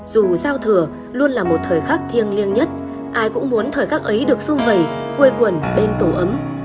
dù giao thừa luôn là một thời khắc thiêng liêng nhất ai cũng muốn thời khắc ấy được xung vầy quây quần bên tổ ấm